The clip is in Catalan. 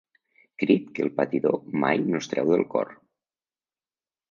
Crit que el patidor mai no es treu del cor.